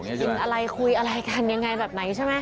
กินอะไรคุยอะไรกันยังไงแบบไหนใช่ไหม